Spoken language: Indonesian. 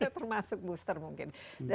termasuk booster mungkin